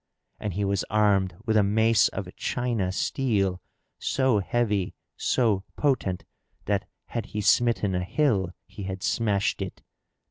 And he was armed with a mace of China steel, so heavy, so potent, that had he smitten a hill he had smashed it.